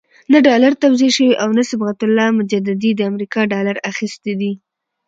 نه ډالر توزیع شوي او نه صبغت الله مجددي د امریکا ډالر اخیستي دي.